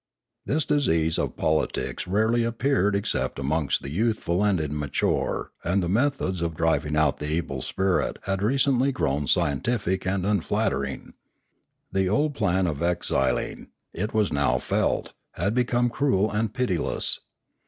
This disease of politics rarely appeared except amongst the youthful and immature and the methods of driving out the evil spirit had recently grown scien tific and unfaltering. The old plan of exiling, it was now felt, had become cruel and pitiless.